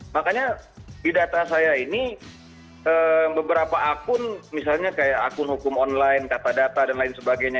makanya di data saya ini beberapa akun misalnya kayak akun hukum online kata data dan lain sebagainya